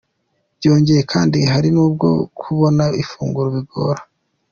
Byongeye kandi hari n’ubwo kubona ifunguro bigora.